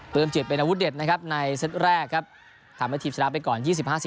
ืมจิตเป็นอาวุธเด็ดนะครับในเซตแรกครับทำให้ทีมชนะไปก่อน๒๐๕๐